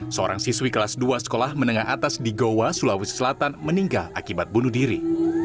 seorang siswi kelas dua sekolah menengah atas di goa sulawesi selatan meninggal akibat bunuh diri